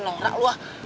norak lu ah